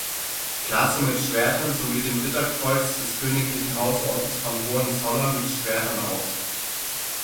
Klasse mit Schwertern sowie dem Ritterkreuz des Königlichen Hausordens von Hohenzollern mit Schwertern aus.